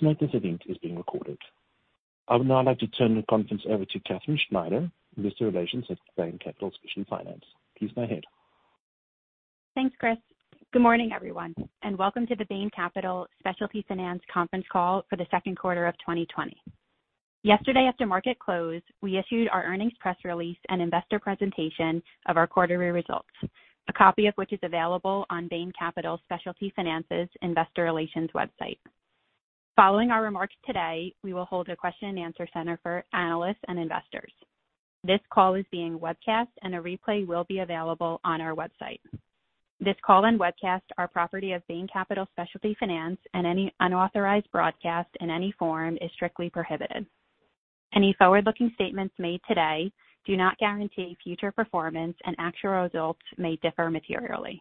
Please note this event is being recorded. I would now like to turn the conference over to Katherine Schneider, Investor Relations at Bain Capital Specialty Finance. Please go ahead. Thanks, Chris. Good morning, everyone, and welcome to the Bain Capital Specialty Finance Conference Call for the Second Quarter of 2020. Yesterday, after market close, we issued our earnings press release and investor presentation of our quarterly results, a copy of which is available on Bain Capital Specialty Finance's Investor Relations website. Following our remarks today, we will hold a question and answer session for analysts and investors. This call is being webcast, and a replay will be available on our website. This call and webcast are property of Bain Capital Specialty Finance, and any unauthorized broadcast in any form is strictly prohibited. Any forward-looking statements made today do not guarantee future performance, and actual results may differ materially.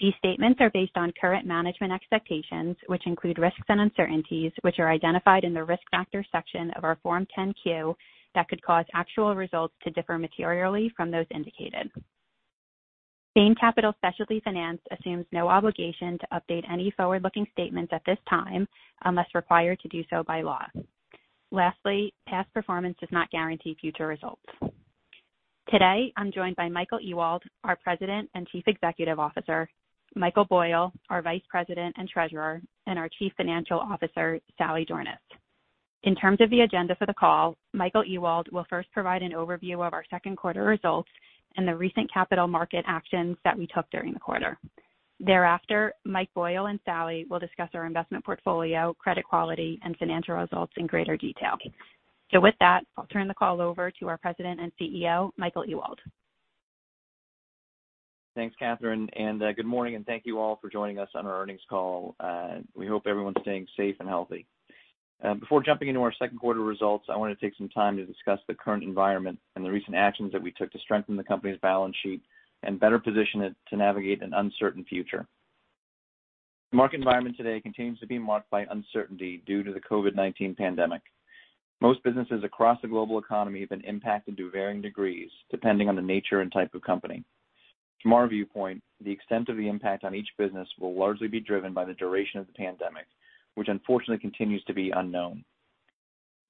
These statements are based on current management expectations, which include risks and uncertainties, which are identified in the Risk Factors section of our Form 10-Q, that could cause actual results to differ materially from those indicated. Bain Capital Specialty Finance assumes no obligation to update any forward-looking statements at this time unless required to do so by law. Lastly, past performance does not guarantee future results. Today, I'm joined by Michael Ewald, our President and Chief Executive Officer, Michael Boyle, our Vice President and Treasurer, and our Chief Financial Officer, Sally Dornaus. In terms of the agenda for the call, Michael Ewald will first provide an overview of our second quarter results and the recent capital market actions that we took during the quarter. Thereafter, Mike Boyle and Sally will discuss our investment portfolio, credit quality, and financial results in greater detail. So with that, I'll turn the call over to our President and CEO, Michael Ewald. Thanks, Katherine, and good morning, and thank you all for joining us on our earnings call. We hope everyone's staying safe and healthy. Before jumping into our second quarter results, I want to take some time to discuss the current environment and the recent actions that we took to strengthen the company's balance sheet and better position it to navigate an uncertain future. The market environment today continues to be marked by uncertainty due to the COVID-19 pandemic. Most businesses across the global economy have been impacted to varying degrees, depending on the nature and type of company. From our viewpoint, the extent of the impact on each business will largely be driven by the duration of the pandemic, which unfortunately continues to be unknown.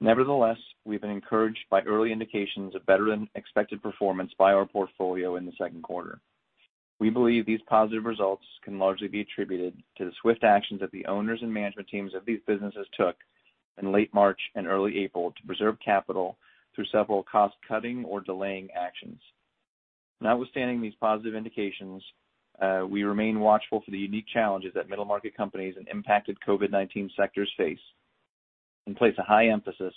Nevertheless, we've been encouraged by early indications of better-than-expected performance by our portfolio in the second quarter. We believe these positive results can largely be attributed to the swift actions that the owners and management teams of these businesses took in late March and early April to preserve capital through several cost-cutting or delaying actions. Notwithstanding these positive indications, we remain watchful for the unique challenges that middle-market companies and impacted COVID-19 sectors face, and place a high emphasis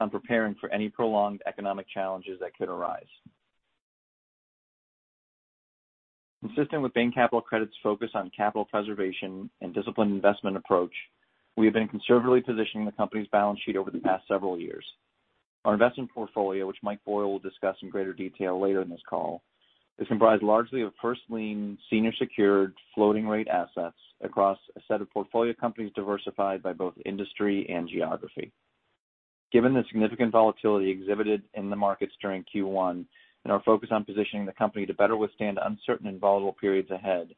on preparing for any prolonged economic challenges that could arise. Consistent with Bain Capital Credit's focus on capital preservation and disciplined investment approach, we have been conservatively positioning the company's balance sheet over the past several years. Our investment portfolio, which Mike Boyle will discuss in greater detail later in this call, is comprised largely of first lien, senior secured, floating-rate assets across a set of portfolio companies diversified by both industry and geography. Given the significant volatility exhibited in the markets during Q1 and our focus on positioning the company to better withstand uncertain and volatile periods ahead,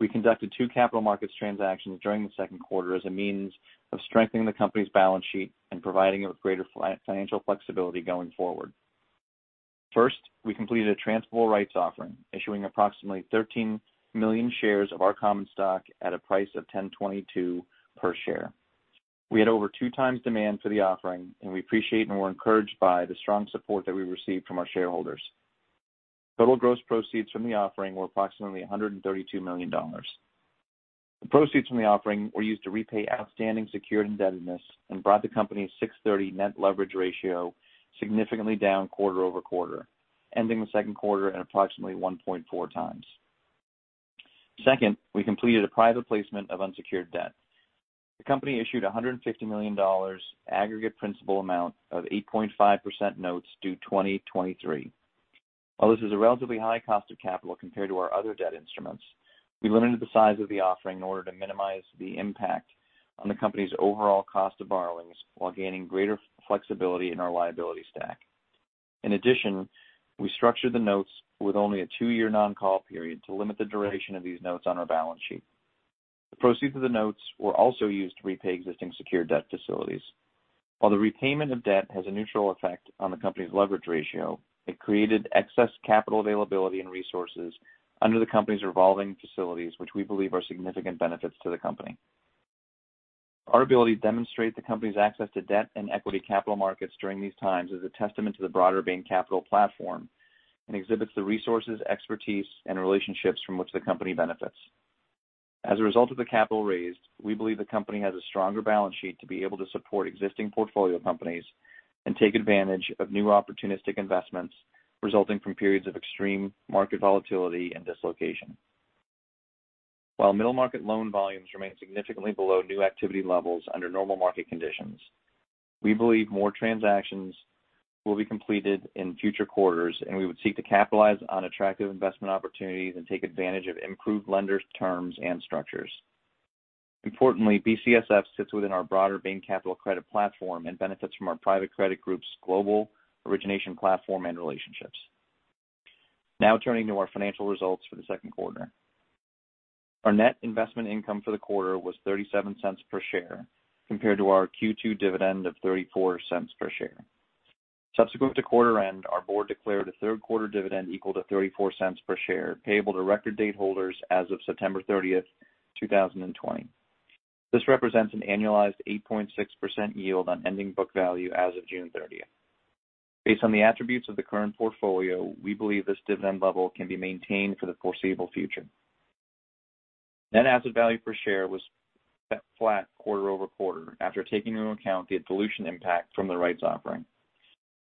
we conducted two capital markets transactions during the second quarter as a means of strengthening the company's balance sheet and providing it with greater financial flexibility going forward. First, we completed a transferable rights offering, issuing approximately 13 million shares of our common stock at a price of $10.22 per share. We had over two times demand for the offering, and we appreciate and were encouraged by the strong support that we received from our shareholders. Total gross proceeds from the offering were approximately $132 million. The proceeds from the offering were used to repay outstanding secured indebtedness and brought the company's 1.63 net leverage ratio significantly down quarter-over-quarter, ending the second quarter at approximately 1.4x. Second, we completed a private placement of unsecured debt. The company issued $150 million aggregate principal amount of 8.5% Notes due 2023. While this is a relatively high cost of capital compared to our other debt instruments, we limited the size of the offering in order to minimize the impact on the company's overall cost of borrowings, while gaining greater flexibility in our liability stack. In addition, we structured the notes with only a two-year non-call period to limit the duration of these notes on our balance sheet. The proceeds of the notes were also used to repay existing secured debt facilities. While the repayment of debt has a neutral effect on the company's leverage ratio, it created excess capital availability and resources under the company's revolving facilities, which we believe are significant benefits to the company. Our ability to demonstrate the company's access to debt and equity capital markets during these times is a testament to the broader Bain Capital platform and exhibits the resources, expertise, and relationships from which the company benefits. As a result of the capital raised, we believe the company has a stronger balance sheet to be able to support existing portfolio companies and take advantage of new opportunistic investments resulting from periods of extreme market volatility and dislocation. While middle-market loan volumes remain significantly below new activity levels under normal market conditions, we believe more transactions will be completed in future quarters, and we would seek to capitalize on attractive investment opportunities and take advantage of improved lenders, terms, and structures. Importantly, BCSF sits within our broader Bain Capital Credit platform and benefits from our private credit group's global origination platform and relationships. Now turning to our financial results for the second quarter. Our net investment income for the quarter was $0.37 per share, compared to our Q2 dividend of $0.34 per share. Subsequent to quarter end, our board declared a third quarter dividend equal to $0.34 per share, payable to record date holders as of September 30th, 2020. This represents an annualized 8.6% yield on ending book value as of June 30th. Based on the attributes of the current portfolio, we believe this dividend level can be maintained for the foreseeable future. Net Asset Value per share was flat quarter-over-quarter, after taking into account the dilution impact from the rights offering.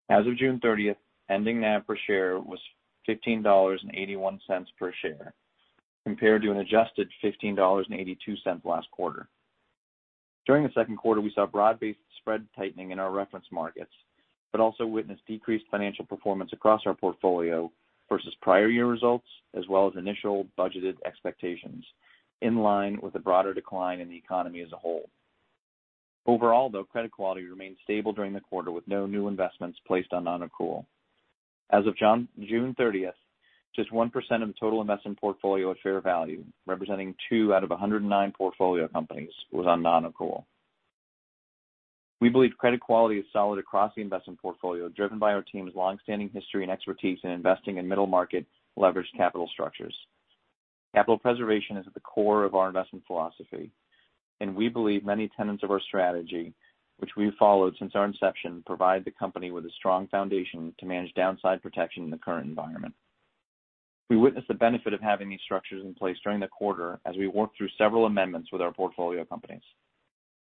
As of June 30th, ending NAV per share was $15.81 per share, compared to an adjusted $15.82 last quarter. During the second quarter, we saw broad-based spread tightening in our reference markets, but also witnessed decreased financial performance across our portfolio versus prior year results, as well as initial budgeted expectations, in line with the broader decline in the economy as a whole. Overall, though, credit quality remained stable during the quarter, with no new investments placed on non-accrual. As of June 30th, just 1% of the total investment portfolio at fair value, representing two out of 109 portfolio companies, was on non-accrual. We believe credit quality is solid across the investment portfolio, driven by our team's long-standing history and expertise in investing in middle-market leveraged capital structures. Capital preservation is at the core of our investment philosophy, and we believe many tenets of our strategy, which we've followed since our inception, provide the company with a strong foundation to manage downside protection in the current environment. We witnessed the benefit of having these structures in place during the quarter as we worked through several amendments with our portfolio companies.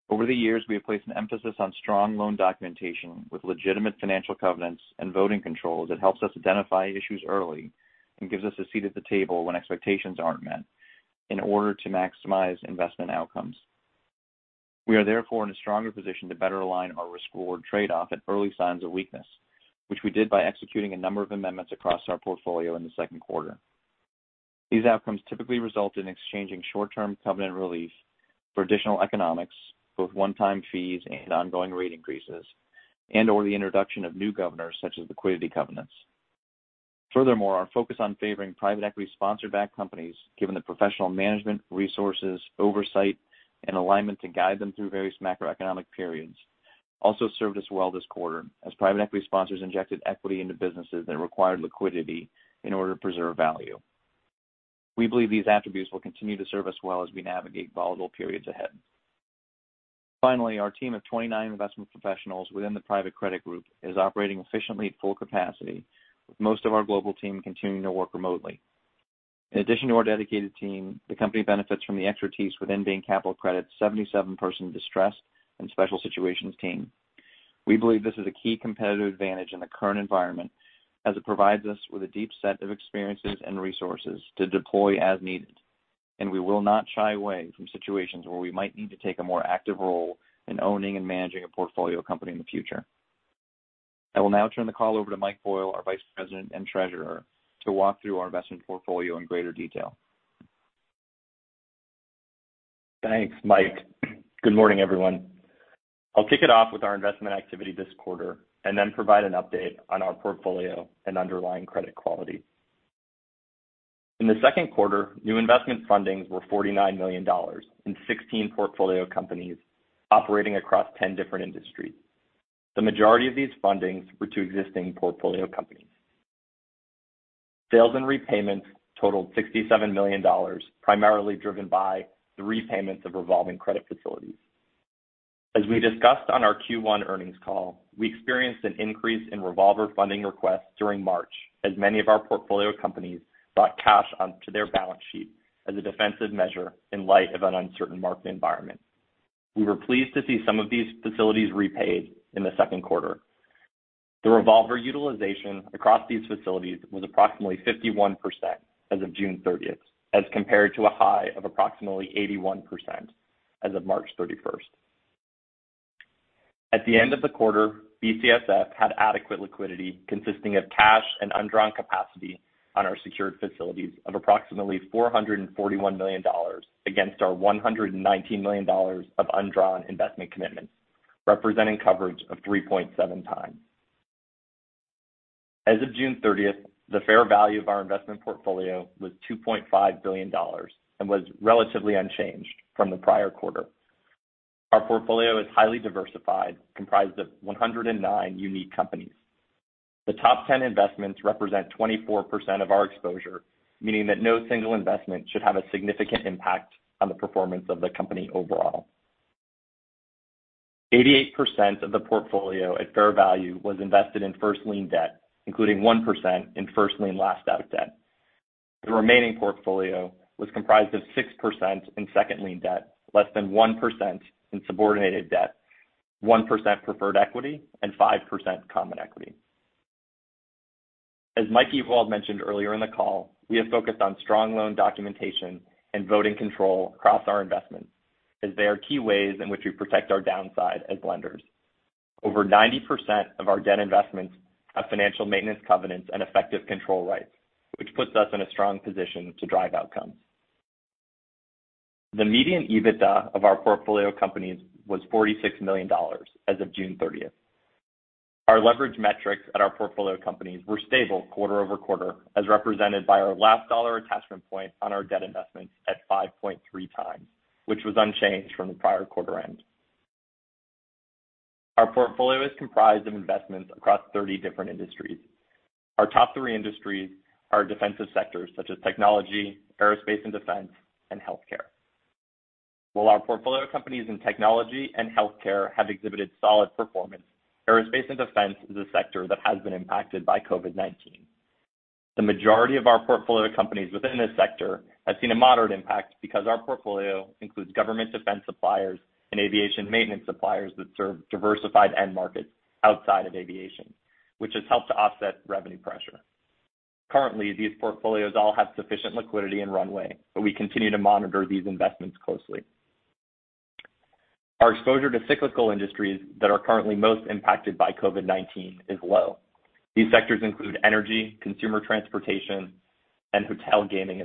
Over the years, we have placed an emphasis on strong loan documentation with legitimate financial covenants and voting controls that helps us identify issues early and gives us a seat at the table when expectations aren't met in order to maximize investment outcomes. We are therefore in a stronger position to better align our risk-reward trade-off at early signs of weakness, which we did by executing a number of amendments across our portfolio in the second quarter. These outcomes typically result in exchanging short-term covenant relief for additional economics, both one-time fees and ongoing rate increases, and/or the introduction of new governors, such as liquidity covenants. Furthermore, our focus on favoring private equity sponsor-backed companies, given the professional management, resources, oversight, and alignment to guide them through various macroeconomic periods, also served us well this quarter, as private equity sponsors injected equity into businesses that required liquidity in order to preserve value. We believe these attributes will continue to serve us well as we navigate volatile periods ahead. Finally, our team of 29 investment professionals within the private credit group is operating efficiently at full capacity, with most of our global team continuing to work remotely. In addition to our dedicated team, the company benefits from the expertise within Bain Capital Credit's 77-person distressed and special situations team. We believe this is a key competitive advantage in the current environment, as it provides us with a deep set of experiences and resources to deploy as needed, and we will not shy away from situations where we might need to take a more active role in owning and managing a portfolio company in the future. I will now turn the call over to Mike Boyle, our Vice President and Treasurer, to walk through our investment portfolio in greater detail. Thanks, Mike. Good morning, everyone. I'll kick it off with our investment activity this quarter, and then provide an update on our portfolio and underlying credit quality. In the second quarter, new investment fundings were $49 million in 16 portfolio companies operating across 10 different industries. The majority of these fundings were to existing portfolio companies. Sales and repayments totaled $67 million, primarily driven by the repayments of revolving credit facilities. As we discussed on our Q1 earnings call, we experienced an increase in revolver funding requests during March, as many of our portfolio companies brought cash onto their balance sheet as a defensive measure in light of an uncertain market environment. We were pleased to see some of these facilities repaid in the second quarter. The revolver utilization across these facilities was approximately 51% as of June 30th, as compared to a high of approximately 81% as of March 31st. At the end of the quarter, BCSF had adequate liquidity, consisting of cash and undrawn capacity on our secured facilities of approximately $441 million, against our $119 million of undrawn investment commitments, representing coverage of 3.7x. As of June 30th, the fair value of our investment portfolio was $2.5 billion and was relatively unchanged from the prior quarter. Our portfolio is highly diversified, comprised of 109 unique companies. The top ten investments represent 24% of our exposure, meaning that no single investment should have a significant impact on the performance of the company overall. 88% of the portfolio at fair value was invested in first lien debt, including 1% in first lien last out debt. The remaining portfolio was comprised of 6% in second lien debt, less than 1% in subordinated debt, 1% preferred equity, and 5% common equity. As Mike Ewald mentioned earlier in the call, we have focused on strong loan documentation and voting control across our investments, as they are key ways in which we protect our downside as lenders. Over 90% of our debt investments have financial maintenance covenants and effective control rights, which puts us in a strong position to drive outcomes. The median EBITDA of our portfolio companies was $46 million as of June 30th. Our leverage metrics at our portfolio companies were stable quarter-over-quarter, as represented by our last dollar attachment point on our debt investments at 5.3x, which was unchanged from the prior quarter end. Our portfolio is comprised of investments across 30 different industries. Our top three industries are defensive sectors, such as technology, aerospace and defense, and healthcare. While our portfolio companies in technology and healthcare have exhibited solid performance, aerospace and defense is a sector that has been impacted by COVID-19. The majority of our portfolio companies within this sector have seen a moderate impact because our portfolio includes government defense suppliers and aviation maintenance suppliers that serve diversified end markets outside of aviation, which has helped to offset revenue pressure. Currently, these portfolios all have sufficient liquidity and runway, but we continue to monitor these investments closely. Our exposure to cyclical industries that are currently most impacted by COVID-19 is low. These sectors include energy, consumer transportation, and hotel, gaming,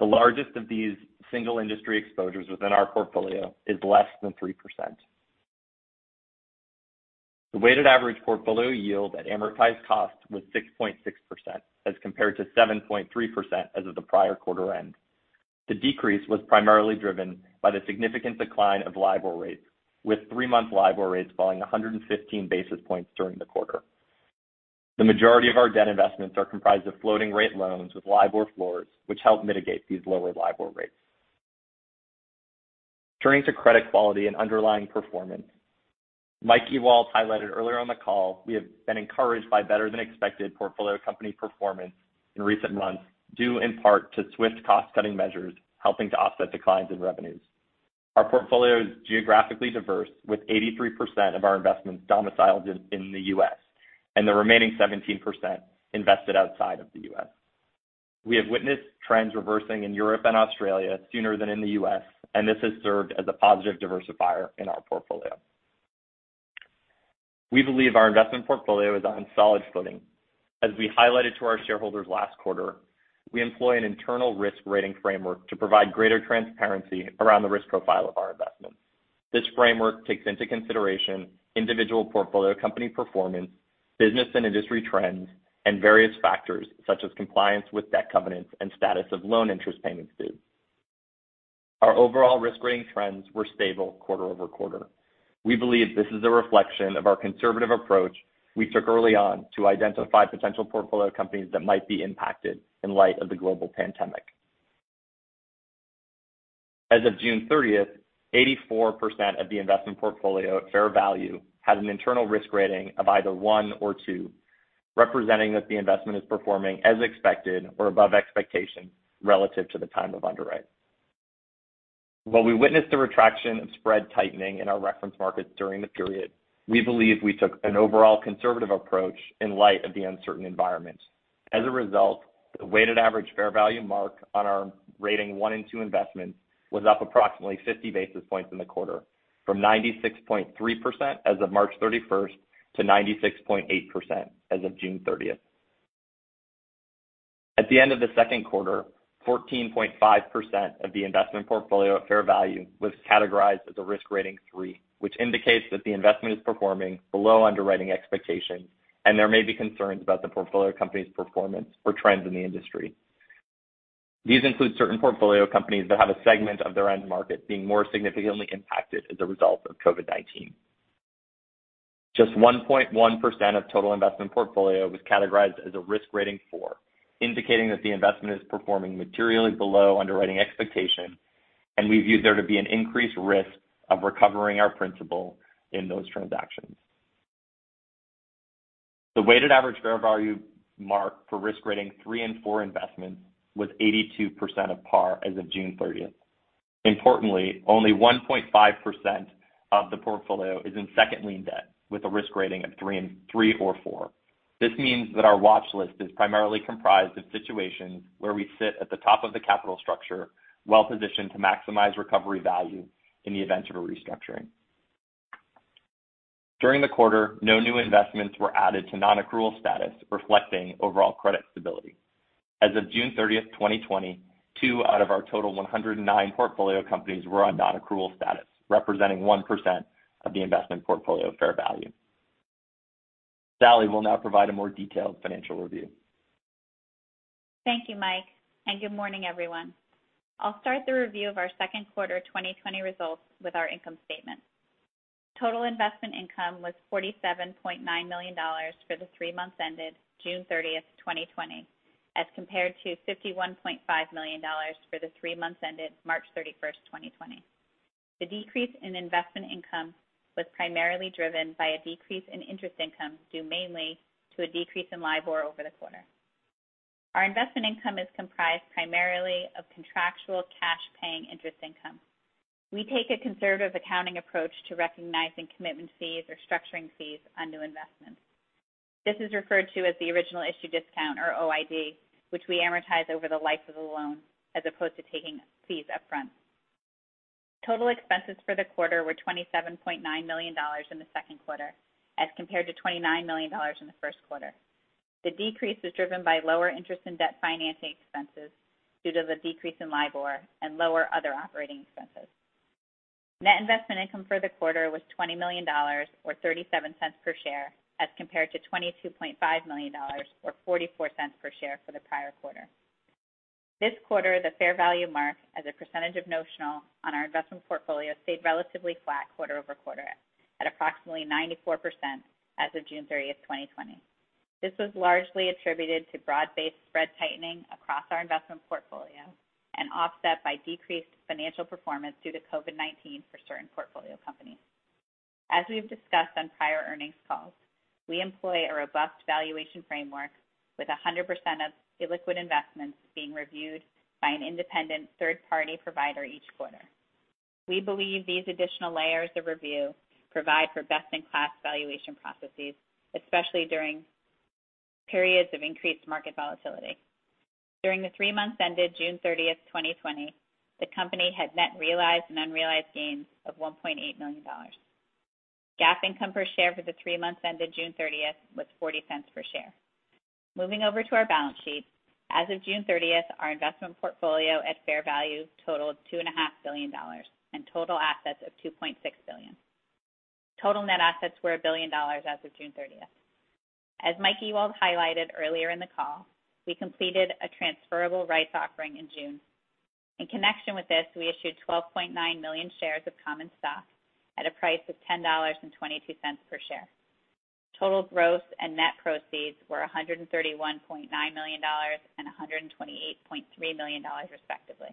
and leisure. The largest of these single industry exposures within our portfolio is less than 3%. The weighted average portfolio yield at amortized cost was 6.6%, as compared to 7.3% as of the prior quarter end. The decrease was primarily driven by the significant decline of LIBOR rates, with three-month LIBOR rates falling 115 basis points during the quarter. The majority of our debt investments are comprised of floating rate loans with LIBOR floors, which help mitigate these lower LIBOR rates. Turning to credit quality and underlying performance, Mike Ewald highlighted earlier on the call, we have been encouraged by better than expected portfolio company performance in recent months, due in part to swift cost-cutting measures, helping to offset declines in revenues. Our portfolio is geographically diverse, with 83% of our investments domiciled in the U.S., and the remaining 17% invested outside of the U.S. We have witnessed trends reversing in Europe and Australia sooner than in the U.S., and this has served as a positive diversifier in our portfolio. We believe our investment portfolio is on solid footing. As we highlighted to our shareholders last quarter, we employ an internal risk rating framework to provide greater transparency around the risk profile of our investments. This framework takes into consideration individual portfolio company performance, business and industry trends, and various factors, such as compliance with debt covenants and status of loan interest payments due. Our overall risk rating trends were stable quarter-over-quarter. We believe this is a reflection of our conservative approach we took early on to identify potential portfolio companies that might be impacted in light of the global pandemic. As of June 30th, 84% of the investment portfolio at fair value has an internal risk rating of either one or two, representing that the investment is performing as expected or above expectation relative to the time of underwrite. While we witnessed a retraction of spread tightening in our reference markets during the period, we believe we took an overall conservative approach in light of the uncertain environment. As a result, the weighted average fair value mark on our rating one and two investments was up approximately 50 basis points in the quarter, from 96.3% as of March 31st to 96.8% as of June 30th. At the end of the second quarter, 14.5% of the investment portfolio at fair value was categorized as a risk rating three, which indicates that the investment is performing below underwriting expectations, and there may be concerns about the portfolio company's performance or trends in the industry. These include certain portfolio companies that have a segment of their end market being more significantly impacted as a result of COVID-19. Just 1.1% of total investment portfolio was categorized as a risk rating four, indicating that the investment is performing materially below underwriting expectation, and we view there to be an increased risk of recovering our principal in those transactions. The weighted average fair value mark for risk rating three and four investments was 82% of par as of June 30th. Importantly, only 1.5% of the portfolio is in second lien debt, with a risk rating of three or four. This means that our watch list is primarily comprised of situations where we sit at the top of the capital structure, well-positioned to maximize recovery value in the event of a restructuring. During the quarter, no new investments were added to non-accrual status, reflecting overall credit stability. As of June 30th, 2020, two out of our total 109 portfolio companies were on non-accrual status, representing 1% of the investment portfolio fair value. Sally will now provide a more detailed financial review. Thank you, Mike, and good morning, everyone. I'll start the review of our second quarter 2020 results with our income statement. Total investment income was $47.9 million for the three months ended June 30, 2020, as compared to $51.5 million for the three months ended March 31, 2020. The decrease in investment income was primarily driven by a decrease in interest income, due mainly to a decrease in LIBOR over the quarter. Our investment income is comprised primarily of contractual cash-paying interest income. We take a conservative accounting approach to recognizing commitment fees or structuring fees on new investments. This is referred to as the original issue discount, or OID, which we amortize over the life of the loan, as opposed to taking fees upfront. Total expenses for the quarter were $27.9 million in the second quarter, as compared to $29 million in the first quarter. The decrease was driven by lower interest and debt financing expenses due to the decrease in LIBOR and lower other operating expenses. Net investment income for the quarter was $20 million or $0.37 per share, as compared to $22.5 million or $0.44 per share for the prior quarter. This quarter, the fair value mark as a percentage of notional on our investment portfolio stayed relatively flat quarter-over-quarter, at approximately 94% as of June 30, 2020. This was largely attributed to broad-based spread tightening across our investment portfolio and offset by decreased financial performance due to COVID-19 for certain portfolio companies. As we've discussed on prior earnings calls, we employ a robust valuation framework with 100% of illiquid investments being reviewed by an independent third-party provider each quarter. We believe these additional layers of review provide for best-in-class valuation processes, especially during periods of increased market volatility. During the three months ended June 30th, 2020, the company had net realized and unrealized gains of $1.8 million. GAAP income per share for the three months ended June 30th was $0.40 per share. Moving over to our balance sheet. As of June 30th, our investment portfolio at fair value totaled $2.5 billion and total assets of $2.6 billion. Total net assets were $1 billion as of June 30th. As Mike Ewald highlighted earlier in the call, we completed a transferable rights offering in June. In connection with this, we issued 12.9 million shares of common stock at a price of $10.22 per share. Total gross and net proceeds were $131.9 million and $128.3 million, respectively.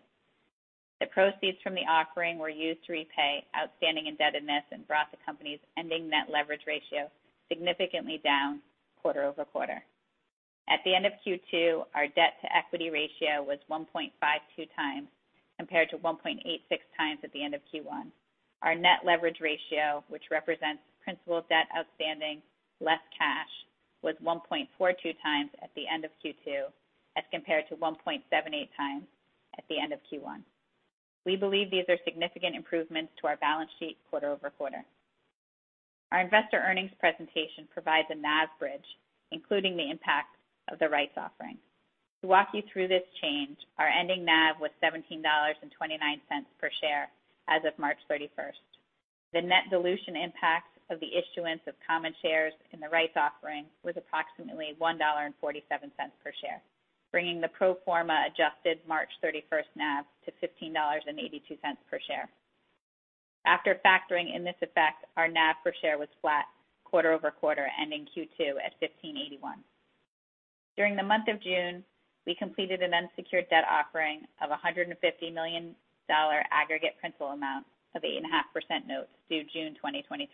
The proceeds from the offering were used to repay outstanding indebtedness and brought the company's ending net leverage ratio significantly down quarter-over-quarter. At the end of Q2, our debt-to-equity ratio was 1.52x, compared to 1.86x at the end of Q1. Our net leverage ratio, which represents principal debt outstanding less cash, was 1.42x at the end of Q2, as compared to 1.78x at the end of Q1. We believe these are significant improvements to our balance sheet quarter-over-quarter. Our investor earnings presentation provides a NAV bridge, including the impact of the rights offering. To walk you through this change, our ending NAV was $17.29 per share as of March 31st. The net dilution impact of the issuance of common shares in the rights offering was approximately $1.47 per share, bringing the pro forma adjusted March 31st NAV to $15.82 per share. After factoring in this effect, our NAV per share was flat quarter-over-quarter, ending Q2 at $15.81. During the month of June, we completed an unsecured debt offering of $150 million aggregate principal amount of 8.5% notes due June 2023.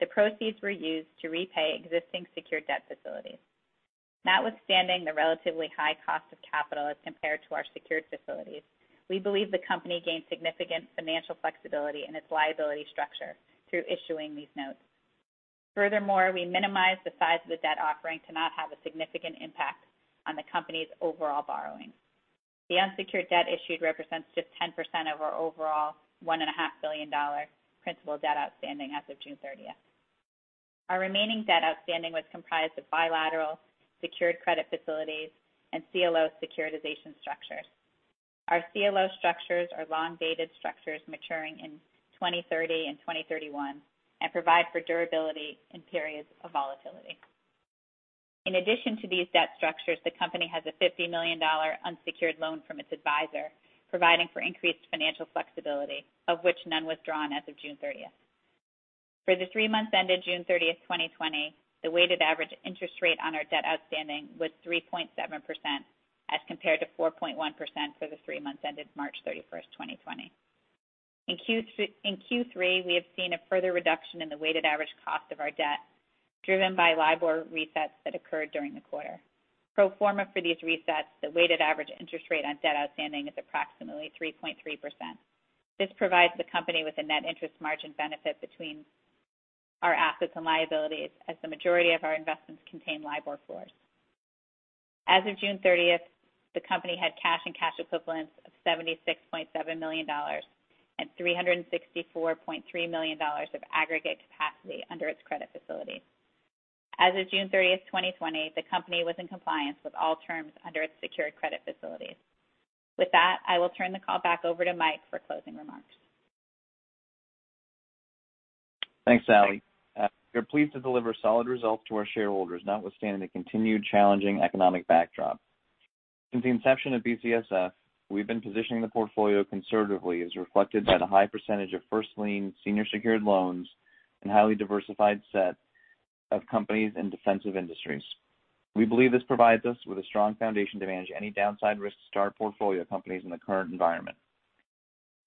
The proceeds were used to repay existing secured debt facilities. Notwithstanding the relatively high cost of capital as compared to our secured facilities, we believe the company gained significant financial flexibility in its liability structure through issuing these notes. Furthermore, we minimized the size of the debt offering to not have a significant impact on the company's overall borrowing. The unsecured debt issued represents just 10% of our overall $1.5 billion principal debt outstanding as of June 30. Our remaining debt outstanding was comprised of bilateral secured credit facilities and CLO securitization structures. Our CLO structures are long-dated structures maturing in 2030 and 2031 and provide for durability in periods of volatility. In addition to these debt structures, the company has a $50 million unsecured loan from its advisor, providing for increased financial flexibility, of which none was drawn as of June 30th. For the three months ended June 30th, 2020, the weighted average interest rate on our debt outstanding was 3.7%, as compared to 4.1% for the three months ended March 31st, 2020. In Q3, we have seen a further reduction in the weighted average cost of our debt, driven by LIBOR resets that occurred during the quarter. Pro forma for these resets, the weighted average interest rate on debt outstanding is approximately 3.3%. This provides the company with a net interest margin benefit between our assets and liabilities, as the majority of our investments contain LIBOR floors. As of June 30th, the company had cash and cash equivalents of $76.7 million and $364.3 million of aggregate capacity under its credit facility. As of June 30th, 2020, the company was in compliance with all terms under its secured credit facilities. With that, I will turn the call back over to Mike for closing remarks. Thanks, Sally. We are pleased to deliver solid results to our shareholders, notwithstanding the continued challenging economic backdrop. Since the inception of BCSF, we've been positioning the portfolio conservatively, as reflected by the high percentage of first lien senior secured loans and highly diversified set of companies in defensive industries. We believe this provides us with a strong foundation to manage any downside risks to our portfolio companies in the current environment.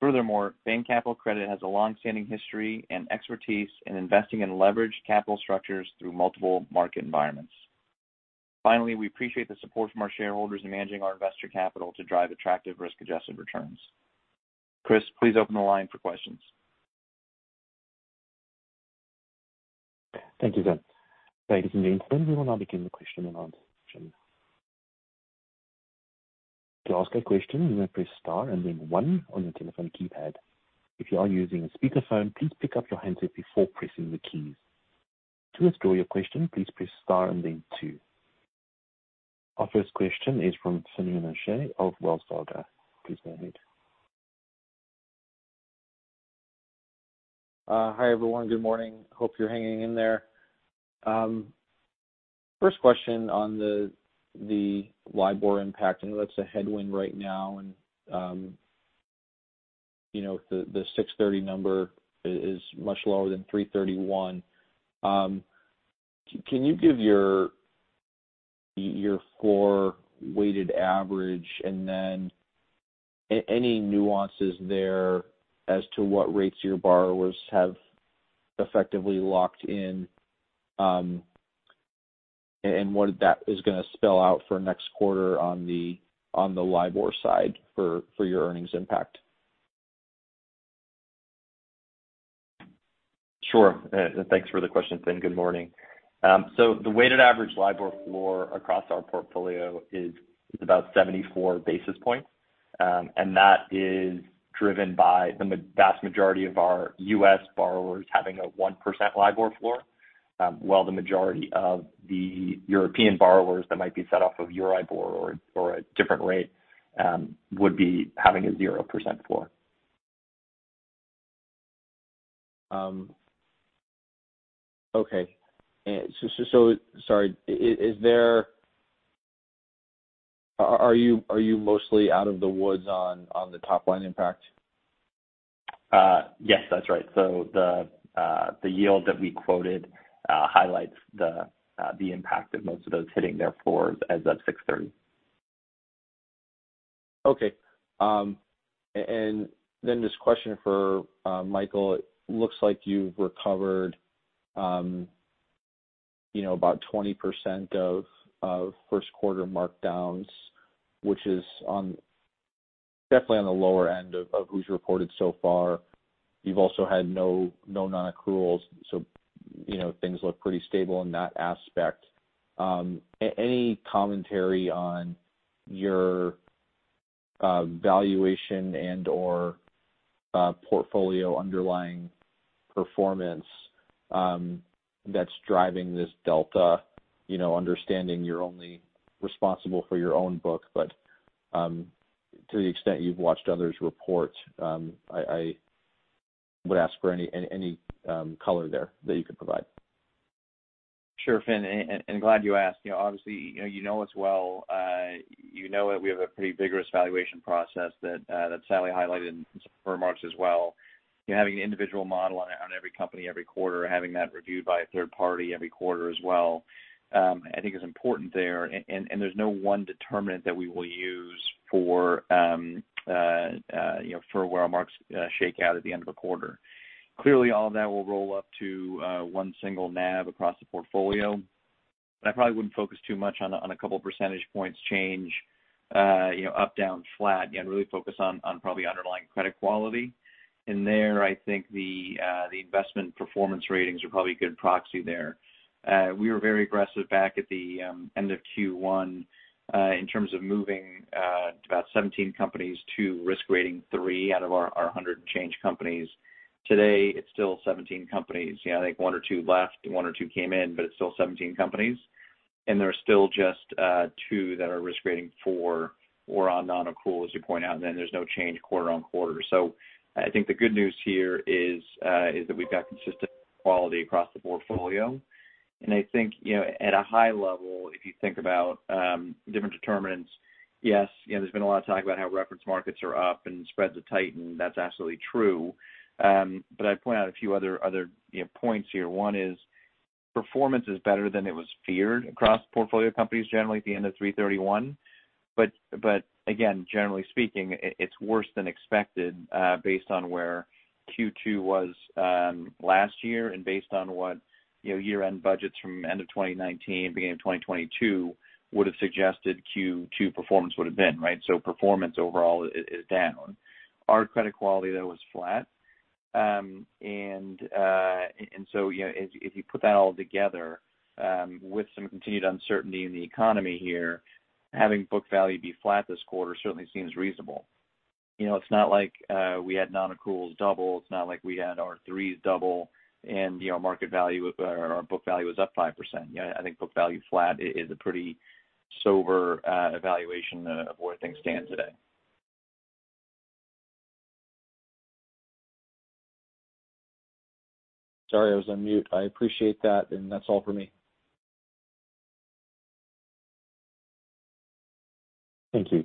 Furthermore, Bain Capital Credit has a long-standing history and expertise in investing in leveraged capital structures through multiple market environments. Finally, we appreciate the support from our shareholders in managing our investor capital to drive attractive risk-adjusted returns. Chris, please open the line for questions. Thank you, sir. Ladies and gentlemen, we will now begin the question and answer session. To ask a question, you may press star and then one on your telephone keypad. If you are using a speakerphone, please pick up your handset before pressing the keys. To withdraw your question, please press star and then two. Our first question is from Finian O'Shea of Wells Fargo. Please go ahead. Hi, everyone. Good morning. Hope you're hanging in there. First question on the LIBOR impact, and that's a headwind right now, and, you know, the six thirty number is much lower than three thirty-one. Can you give your floor weighted average and then any nuances there as to what rates your borrowers have effectively locked in, and what that is gonna spell out for next quarter on the LIBOR side for your earnings impact? Sure. Thanks for the question, Finn, good morning. So the weighted average LIBOR floor across our portfolio is about 74 basis points. And that is driven by the vast majority of our U.S. borrowers having a 1% LIBOR floor. While the majority of the European borrowers that might be set off of EURIBOR or a different rate would be having a 0% floor. Okay. And so sorry, are you mostly out of the woods on the top line impact? Yes, that's right. So the yield that we quoted highlights the impact of most of those hitting their floors as of 6/30. Okay. Then this question for Michael, it looks like you've recovered, you know, about 20% of first quarter markdowns, which is definitely on the lower end of who's reported so far. You've also had no non-accruals, so, you know, things look pretty stable in that aspect. Any commentary on your valuation and/or portfolio underlying performance that's driving this delta? You know, understanding you're only responsible for your own book, but, to the extent you've watched others report, I would ask for any color there that you could provide. Sure, Finian, and glad you asked. You know, obviously, you know us well. You know that we have a pretty vigorous valuation process that that Sally highlighted in some remarks as well. You know, having an individual model on every company, every quarter, having that reviewed by a third party every quarter as well, I think is important there. And there's no one determinant that we will use for you know, for where our marks shake out at the end of a quarter. Clearly, all of that will roll up to one single NAV across the portfolio. I probably wouldn't focus too much on a couple percentage points change, you know, up, down, flat, and really focus on probably underlying credit quality. There, I think the the investment performance ratings are probably a good proxy there. We were very aggressive back at the end of Q1 in terms of moving about seventeen companies to risk rating three out of our, our hundred and change companies. Today, it's still seventeen companies. Yeah, I think one or two left, one or two came in, but it's still seventeen companies. There are still just two that are risk rating four or on non-accrual, as you point out, and then there's no change quarter on quarter. So I think the good news here is that we've got consistent quality across the portfolio. And I think, you know, at a high level, if you think about different determinants, yes, you know, there's been a lot of talk about how reference markets are up and spreads are tight, and that's absolutely true. But I'd point out a few other points here. One is, performance is better than it was feared across the portfolio of companies generally at the end of March 31. But again, generally speaking, it's worse than expected based on where Q2 was last year, and based on what, you know, year-end budgets from end of 2019, beginning of 2022 would have suggested Q2 performance would have been, right? So performance overall is down. Our credit quality, though, was flat. And so, you know, if you put that all together, with some continued uncertainty in the economy here, having book value be flat this quarter certainly seems reasonable. You know, it's not like we had non-accruals double. It's not like we had our threes double and, you know, market value, or our book value was up 5%. You know, I think book value flat is a pretty sober evaluation of where things stand today. Sorry, I was on mute. I appreciate that, and that's all for me. Thank you.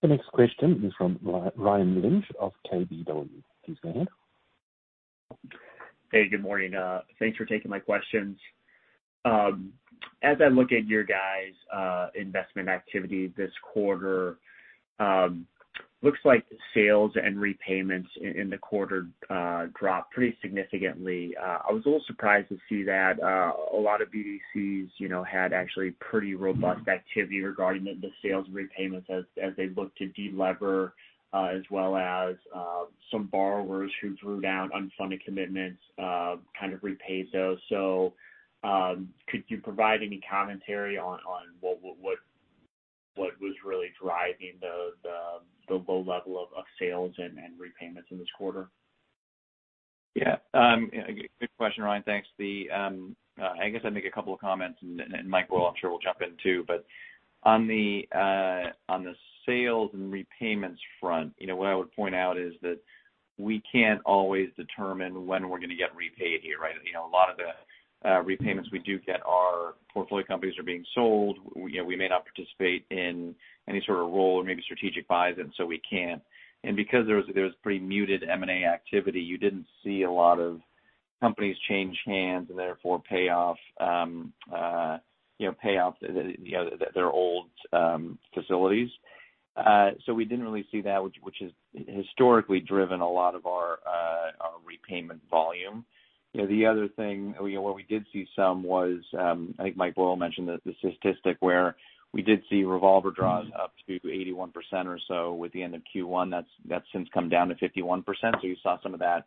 The next question is from Ryan Lynch of KBW. Please go ahead. Hey, good morning. Thanks for taking my questions. As I look at your guys' investment activity this quarter, looks like sales and repayments in the quarter dropped pretty significantly. I was a little surprised to see that. A lot of BDCs, you know, had actually pretty robust activity regarding the sales repayments as they looked to delever, as well as some borrowers who drew down unfunded commitments kind of repaid those. So, could you provide any commentary on what was really driving the low level of sales and repayments in this quarter? Yeah, good question, Ryan. Thanks. The, I guess I'd make a couple of comments, and Mike Boyle, I'm sure, will jump in, too. But on the sales and repayments front, you know, what I would point out is that we can't always determine when we're gonna get repaid here, right? You know, a lot of the repayments we do get are portfolio companies are being sold. We, you know, we may not participate in any sort of role or maybe strategic buys, and so we can't. And because there was there was pretty muted M&A activity, you didn't see a lot of companies change hands, and therefore, pay off, you know, pay off, you know, their old facilities. So we didn't really see that, which has historically driven a lot of our repayment volume. You know, the other thing, you know, where we did see some was, I think Mike Boyle mentioned the statistic where we did see revolver draws up to 81% or so at the end of Q1. That's since come down to 51%. So you saw some of that,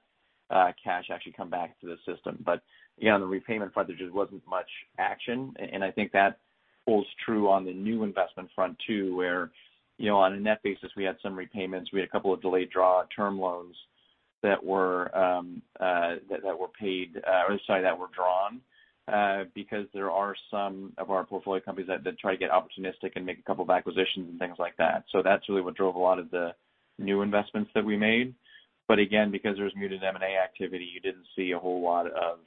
cash actually come back to the system. But, you know, on the repayment front, there just wasn't much action, and I think that holds true on the new investment front, too, where, you know, on a net basis, we had some repayments. We had a couple of delayed draw term loans that were drawn, because there are some of our portfolio companies that did try to get opportunistic and make a couple of acquisitions and things like that. So that's really what drove a lot of the new investments that we made. But again, because there was muted M&A activity, you didn't see a whole lot of,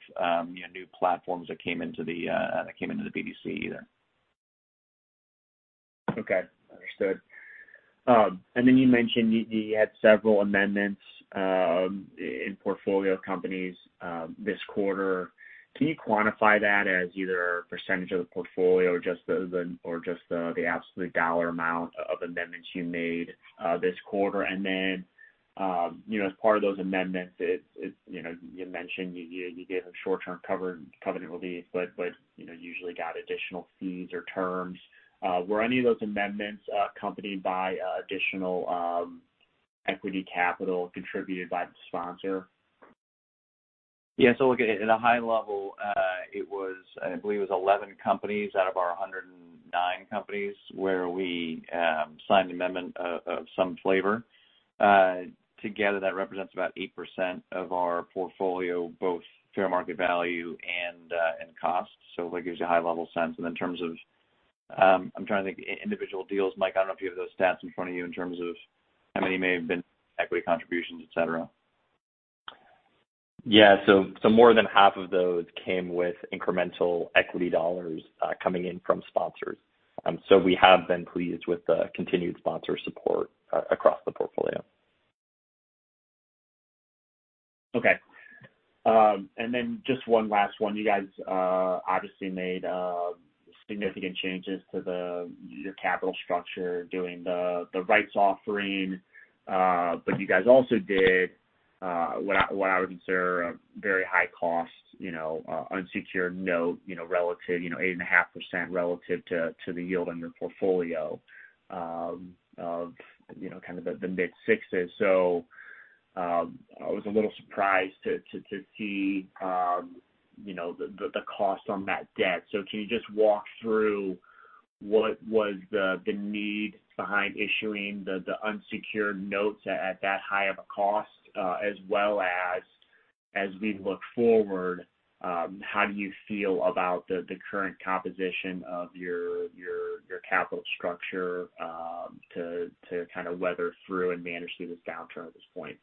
you know, new platforms that came into the BDC either. Okay, understood. And then you mentioned you had several amendments in portfolio companies this quarter. Can you quantify that as either percentage of the portfolio or just the absolute dollar amount of amendments you made this quarter? And then, you know, as part of those amendments, it you know, you mentioned you gave them short-term covenant relief, but you know, usually got additional fees or terms. Were any of those amendments accompanied by additional equity capital contributed by the sponsor? Yeah, so look, at, at a high level, it was, I believe it was 11 companies out of our 109 companies where we signed an amendment of, of some flavor. Together, that represents about 8% of our portfolio, both fair market value and, and cost. So that gives you a high level sense. And in terms of, I'm trying to think individual deals. Mike, I don't know if you have those stats in front of you in terms of how many may have been equity contributions, et cetera. Yeah, so more than half of those came with incremental equity dollars, coming in from sponsors. So we have been pleased with the continued sponsor support across the portfolio. Okay. And then just one last one. You guys obviously made significant changes to your capital structure during the Rights Offering. But you guys also did what I would consider a very high cost, you know, unsecured note, you know, relative, you know, 8.5% relative to the yield on your portfolio of, you know, kind of the mid-60's. So I was a little surprised to see, you know, the cost on that debt. So can you just walk through what was the need behind issuing the unsecured notes at that high of a cost, as well as, as we look forward, how do you feel about the current composition of your capital structure, to kind of weather through and manage through this downturn at this point?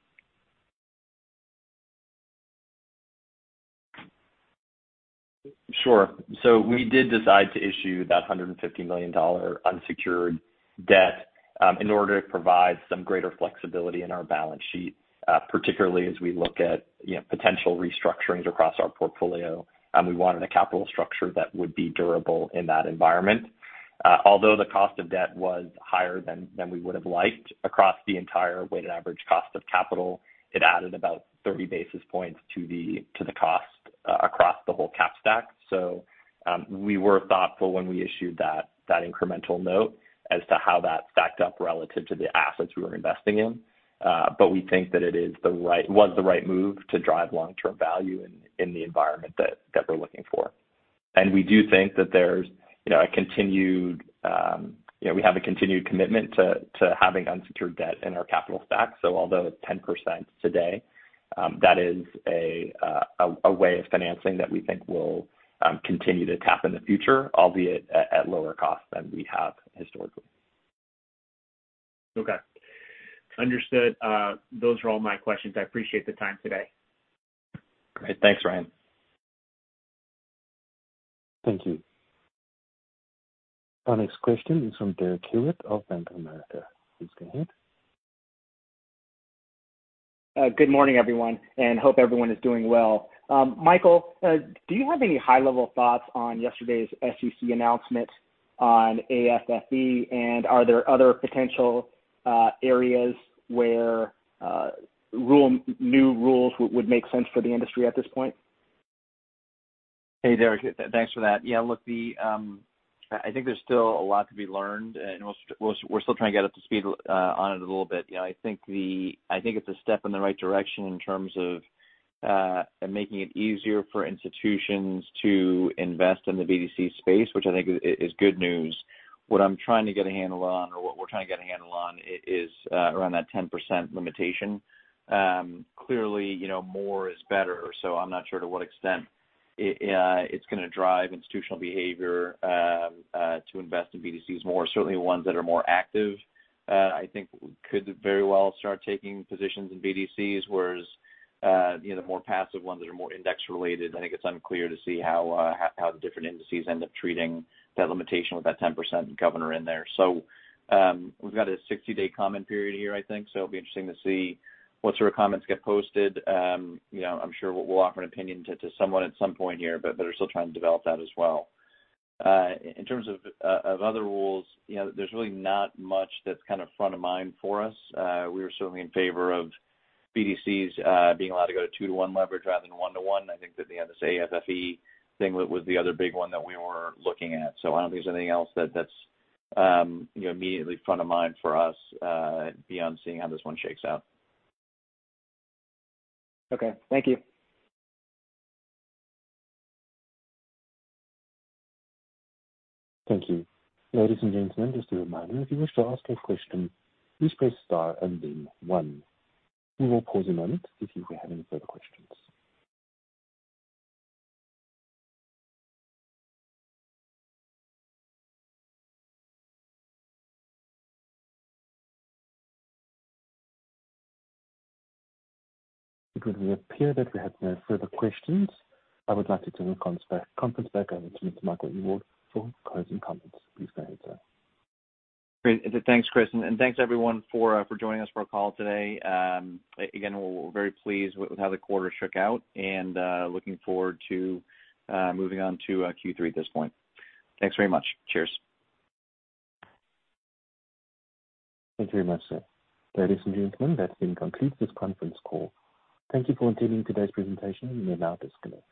Sure. So we did decide to issue that $150 million unsecured debt, in order to provide some greater flexibility in our balance sheet, particularly as we look at, you know, potential restructurings across our portfolio, and we wanted a capital structure that would be durable in that environment. Although the cost of debt was higher than we would have liked across the entire weighted average cost of capital, it added about 30 basis points to the cost across the whole cap stack. So, we were thoughtful when we issued that incremental note as to how that stacked up relative to the assets we were investing in. But we think that it was the right move to drive long-term value in the environment that we're looking for. And we do think that there's, you know, a continued, you know, we have a continued commitment to having unsecured debt in our capital stack. So although it's 10% today, that is a way of financing that we think will continue to tap in the future, albeit at lower costs than we have historically. Okay. Understood. Those are all my questions. I appreciate the time today. Great. Thanks, Ryan. Thank you. Our next question is from Derek Hewett of Bank of America. Please go ahead. Good morning, everyone, and hope everyone is doing well. Michael, do you have any high-level thoughts on yesterday's SEC announcement on AFFE? And are there other potential areas where new rules would make sense for the industry at this point? Hey, Derek. Thanks for that. Yeah, look, the, I think there's still a lot to be learned, and we're still trying to get up to speed on it a little bit. You know, I think it's a step in the right direction in terms of and making it easier for institutions to invest in the BDC space, which I think is good news. What I'm trying to get a handle on, or what we're trying to get a handle on, is around that 10% limitation. Clearly, you know, more is better, so I'm not sure to what extent it it's gonna drive institutional behavior to invest in BDCs more. Certainly ones that are more active, I think could very well start taking positions in BDCs, whereas, you know, the more passive ones that are more index related, I think it's unclear to see how the different indices end up treating that limitation with that 10% governor in there. So, we've got a 60-day comment period here, I think, so it'll be interesting to see what sort of comments get posted. You know, I'm sure we'll offer an opinion to someone at some point here, but are still trying to develop that as well. In terms of other rules, you know, there's really not much that's kind of front of mind for us. We are certainly in favor of BDCs being allowed to go to 2-to-1 leverage rather than 1-to-1. I think that the AFFE thing was the other big one that we were looking at. So I don't think there's anything else that's, you know, immediately front of mind for us, beyond seeing how this one shakes out. Okay, thank you. Thank you. Ladies and gentlemen, just a reminder, if you wish to ask a question, please press star and then one. We will pause a moment if you were having further questions. It would appear that we have no further questions. I would like to turn the conference back over to Michael Ewald for closing comments. Please go ahead, sir. Great. Thanks, Chris, and thanks everyone for joining us for our call today. Again, we're very pleased with how the quarter shook out, and looking forward to moving on to Q3 at this point. Thanks very much. Cheers. Thank you very much, sir. Ladies and gentlemen, that then completes this conference call. Thank you for attending today's presentation. You may now disconnect.